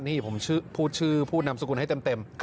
นี่ผมพูดชื่อผู้นำสกุลให้เต็ม